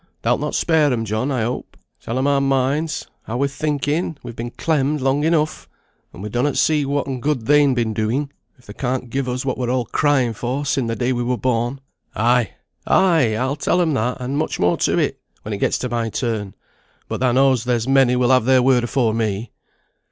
Thou'lt not spare 'em, John, I hope. Tell 'em our minds; how we're thinking we've been clemmed long enough, and we donnot see whatten good they'n been doing, if they can't give us what we're all crying for sin' the day we were born." "Ay, ay! I'll tell 'em that, and much more to it, when it gets to my turn; but thou knows there's many will have their word afore me."